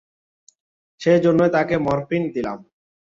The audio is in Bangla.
সেজন্যই তাকে মরফিন দিলাম।